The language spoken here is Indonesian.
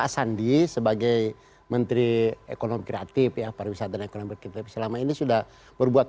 sandi sebagai menteri ekonomi kreatif ya para wisata ekonomi kita selama ini sudah berbuat